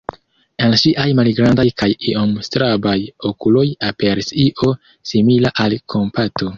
En ŝiaj malgrandaj kaj iom strabaj okuloj aperis io simila al kompato.